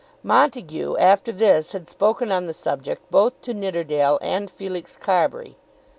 Montague after this had spoken on the subject both to Nidderdale and Felix Carbury.